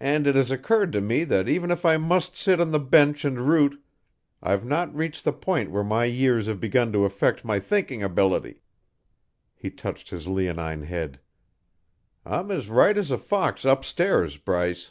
"And it has occurred to me that even if I must sit on the bench and root, I've not reached the point where my years have begun to affect my thinking ability." He touched his leonine head. "I'm as right as a fox upstairs, Bryce."